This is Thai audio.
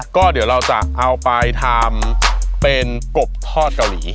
ก็เดี๋ยวเราจะเอาไปทำเป็นกบทอดเกาหลี